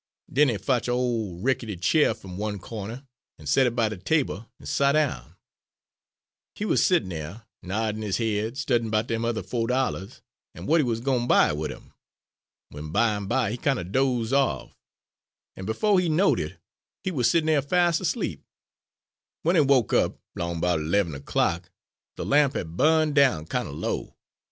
Den he fotch a' ole rickety chair f'm one cawner, and set it by de table, and sot down. He wuz settin' dere, noddin' his head, studyin' 'bout dem other fo' dollahs, an' w'at he wuz gwine buy wid 'em, w'en bimeby he kinder dozed off, an' befo' he knowed it he wuz settin' dere fast asleep." "W'en he woke up, 'long 'bout 'leven erclock, de lamp had bu'n' down kinder low.